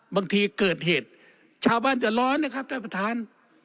บางทีเกิดเหตุชาวบ้านจะร้อนนะครับท่านประธาน